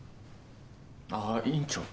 あぁ院長。